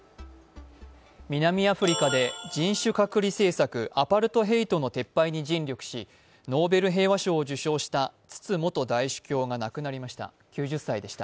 南アフリカで人種隔離政策＝アパルトヘイトの撤廃に尽力し、ノーベル平和賞を受賞したツツ元大主教が亡くなりました。